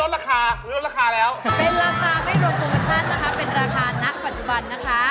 เป็นราคาไม่โดนตรงสั้นนะคะเป็นราคานักปัจจุบันนะคะ